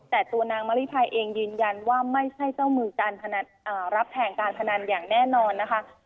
แต่ตัวนางมะลิภัยเองยืนยันว่าไม่ใช่เจ้ามือการรับแทงการพนันอย่างแน่นอนนะคะ